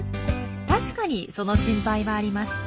確かにその心配はあります。